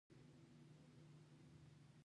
د کال په دوو فصلونو کې محصولات راټولول.